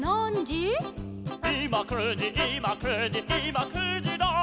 「いま９じいま９じいま９じら」